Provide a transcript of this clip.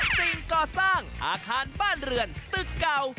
สิ่งก่อสร้างอาคารบ้านเรือนตึกเก่า